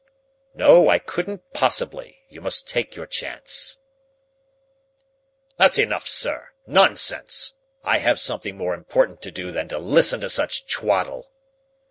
No, I couldn't possibly. You must take your chance.... That's enough, sir. Nonsense! I have something more important to do than to listen to such twaddle."